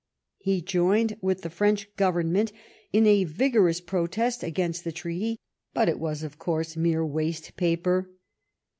He joined with the French Government in a vigorous protest against the treaty, but it was, of course, mere waste paper.